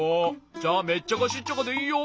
じゃあメッチャカシッチャカでいいよ。